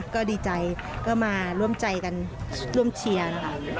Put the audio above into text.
ก็ดีใจก็มาร่วมใจกันร่วมเชียร์ค่ะ